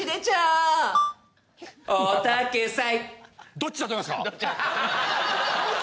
どっちだと思いますか？